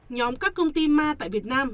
nhóm các công ty ma tại việt nam